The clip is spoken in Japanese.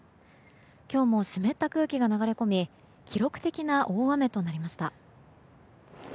今日も湿った空気が流れ込み記録的な大雨となりました。